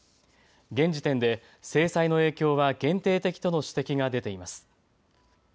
現時点で制裁の影響は限定的との指摘が出ています。